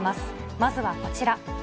まずはこちら。